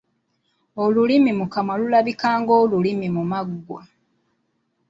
Olulimi mu kamwa lulabika ng’oluliira mu maggwa.